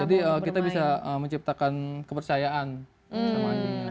jadi kita bisa menciptakan kepercayaan sama anjing